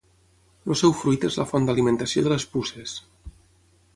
El seu fruit és la font d'alimentació de les puces.